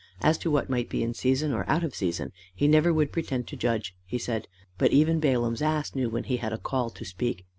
As to what might be in season or out of season, he never would pretend to judge, he said, but even Balaam's ass knew when he had a call to speak.